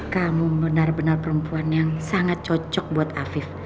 kamu benar benar perempuan yang sangat cocok buat afif